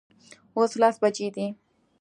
اوس لس بجې دي